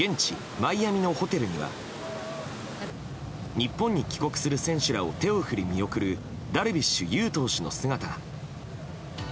マイアミのホテルには日本に帰国する選手らを手を振り見送るダルビッシュ有投手の姿が。